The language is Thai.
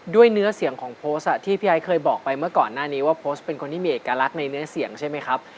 ด้วยเนื้อเสียงของโพสต์ที่พี่ไอ้เคยบอกไปเมื่อก่อนหน้านี้ว่าโพสต์เป็นคนที่มีเอกลักษณ์ในเนื้อเสียงใช่ไหมครับ